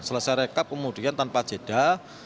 selesai rekap kemudian tanpa jeda